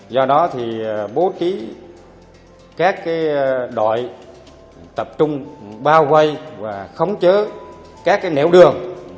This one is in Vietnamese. do đó thì bố trí các đội tập trung bao quay và khống chứa các nẻo đường